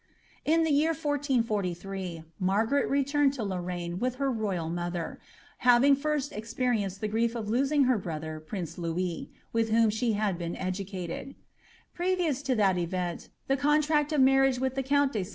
In the yeor 1413, Margaret rctunied to Lorraine with her royal mo ther, having lint experienced the grief of losing her brother princs Louis, with whom she had been educaletl. Previous to ihai event, ihe contnct of marriage with ihe count de Si.